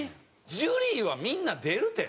ジュリーはみんな出るて！